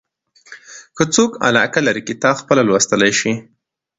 که څوک علاقه لري کتاب پخپله لوستلای شي.